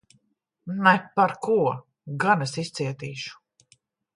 Ne par ko! Gan es izcietīšu.